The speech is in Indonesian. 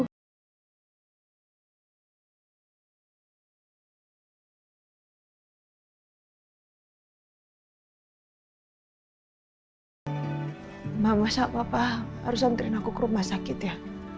hai mama sapa pak harus amperin aku ke rumah sakit ya